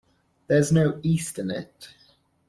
There's no east in it.